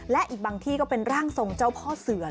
และอีกบางที่ก็เป็นร่างทรงเจ้าพ่อเสือ